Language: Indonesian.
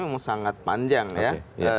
memang sangat panjang ya